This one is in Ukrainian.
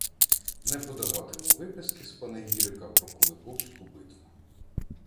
Не подаватиму виписки з панегірика про Куликовську битву